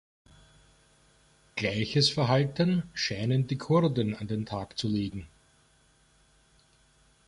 Gleiches Verhalten scheinen die Kurden an den Tag zu legen" .